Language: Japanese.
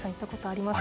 あります。